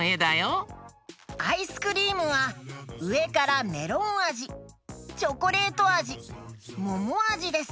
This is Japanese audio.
アイスクリームはうえからメロンあじチョコレートあじももあじです！